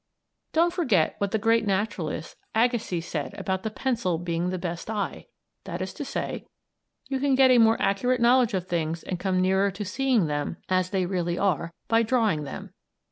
Don't forget what the great naturalist, Agassiz, said about the pencil being "the best eye"; that is to say, you can get a more accurate knowledge of things and come nearer to seeing them as they really are, by drawing them.